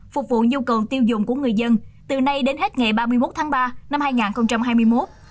phục vụ nhu cầu tiêu dùng của người dân từ nay đến hết ngày ba mươi một tháng ba năm hai nghìn hai mươi một